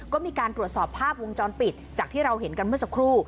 ก็มีการตรวจสอบภาพวงจรปิดจากที่เราเห็นกันเมื่อสักครู่